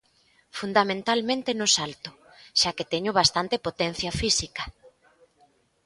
Fundamentalmente no salto, xa que teño bastante potencia física.